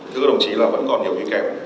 thưa đồng chí là vẫn còn nhiều cái kẹp